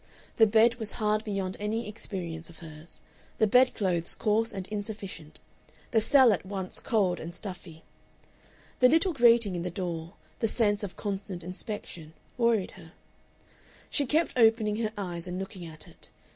The bed was hard beyond any experience of hers, the bed clothes coarse and insufficient, the cell at once cold and stuffy. The little grating in the door, the sense of constant inspection, worried her. She kept opening her eyes and looking at it.